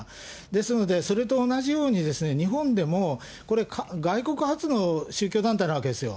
ですので、それと同じようにですね、日本でもこれ、外国発の宗教団体なわけですよ。